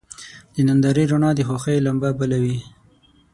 د نندارې رڼا د خوښۍ لمبه بله وي.